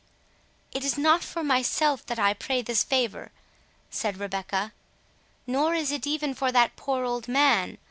"It is not for myself that I pray this favour," said Rebecca; "nor is it even for that poor old man.